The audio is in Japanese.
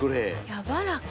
やわらか。